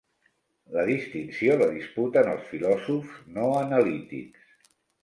La distinció la disputen els filòsofs no analítics.